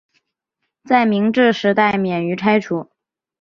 在明治时代免于拆除。